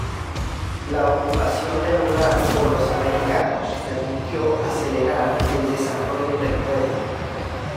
La ocupación del lugar por los americanos permitió acelerar el desarrollo del pueblo.